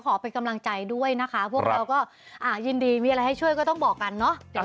ขอเป็นกำลังใจด้วยนะคะพวกเราก็ยินดีมีอะไรให้ช่วยก็ต้องบอกกันเนาะ